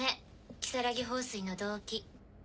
如月峰水の動機。